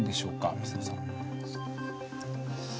水野さん。